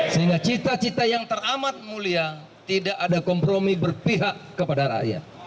sehingga cita cita yang teramat mulia tidak ada kompromi berpihak kepada rakyat